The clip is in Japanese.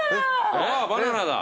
あっバナナだ。